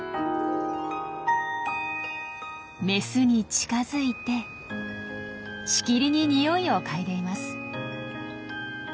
メスに近づいてしきりに匂いを嗅いでいます。